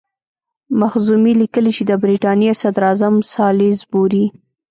مخزومي لیکي چې د برټانیې صدراعظم سالیزبوري.